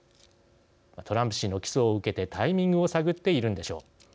トランプ氏の起訴を受けてタイミングを探っているんでしょう。